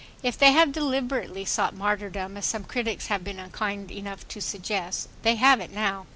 If they have deliberately sought martyrdom, as some critics have been unkind enough to suggest, they have it now.